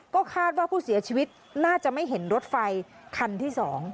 ก็คาดว่าผู้เสียชีวิตน่าจะไม่เห็นรถไฟคันที่๒